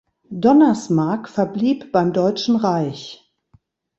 Donnersmarck verblieb beim Deutschen Reich.